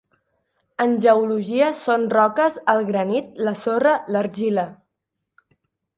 En geologia són roques el granit, la sorra, l'argila.